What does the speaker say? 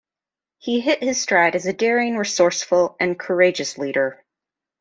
He hit his stride as a daring, resourceful and courageous leader.